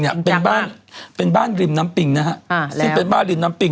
เนี่ยเป็นบ้านเป็นบ้านริมน้ำปิงนะฮะอ่าซึ่งเป็นบ้านริมน้ำปิง